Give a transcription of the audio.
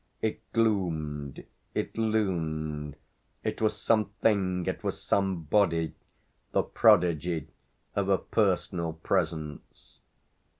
It gloomed, it loomed, it was something, it was somebody, the prodigy of a personal presence.